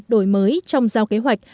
đổi mới trong giao kế hoạch